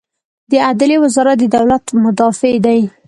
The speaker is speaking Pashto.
د عدلیې وزارت د دولت مدافع دی